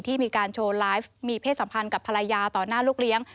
ที่มีการโชว์ไลฟ์มีเพศสัมพันธ์กับภรรยาต่อหน้าลูกเลี้ยง